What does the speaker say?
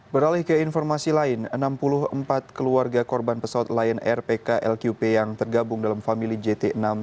beralih ke informasi lain enam puluh empat keluarga korban pesawat lion air pklqp yang tergabung dalam famili jt enam ratus sepuluh